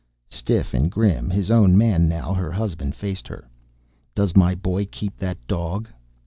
Stiff and grim, his own man now, her husband faced her. "Does my boy keep that dog?"